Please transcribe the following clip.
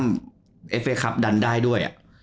ได้ครับดันได้ด้วยอะ